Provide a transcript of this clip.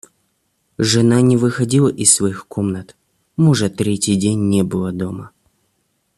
Жена не выходила из своих комнат, мужа третий день не было дома.